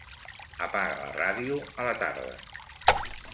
Apaga la ràdio a la tarda.